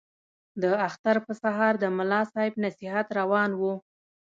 د اختر په سهار د ملا صاحب نصیحت روان وو.